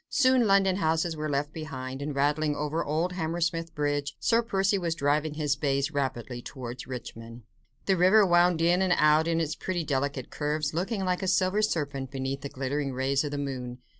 Soon London houses were left behind, and rattling over old Hammersmith Bridge, Sir Percy was driving his bays rapidly towards Richmond. The river wound in and out in its pretty delicate curves, looking like a silver serpent beneath the glittering rays of the moon.